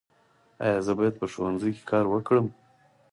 ایا زه باید په ښوونځي کې کار وکړم؟